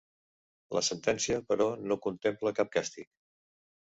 La sentencia, però, no contempla cap càstig.